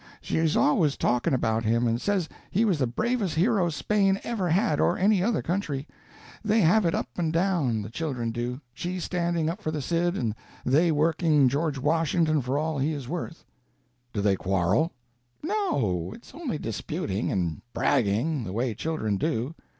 She's always talking about him, and says he was the bravest hero Spain ever had, or any other country. They have it up and down, the children do, she standing up for the Cid, and they working George Washington for all he is worth." "Do they quarrel?" "No; it's only disputing, and bragging, the way children do.